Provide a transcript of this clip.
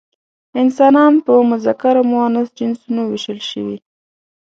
انسانان په مذکر او مؤنث جنسونو ویشل شوي.